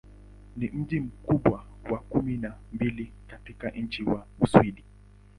Ni mji mkubwa wa kumi na mbili katika nchi wa Uswidi.